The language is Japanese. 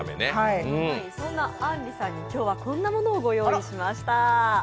そんなあんりさんに、今日はこんなものを用意しました。